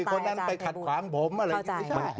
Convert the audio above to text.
คนนั้นไปขัดขวางผมอะไรอย่างนี้